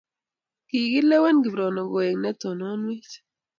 Kokilewen Kiprono kowek ne tononwech.